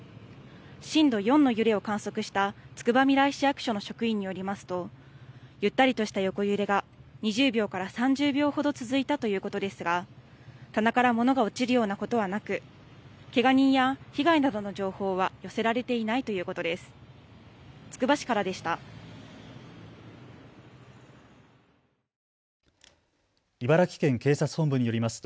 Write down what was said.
震度４の揺れを観測したつくばみらい市役所の職員によりますとゆったりとした横揺れが２０秒から３０秒ほど続いたということですが棚から物が落ちるようなことはなく、けが人や被害などの情報は寄せられていないということです。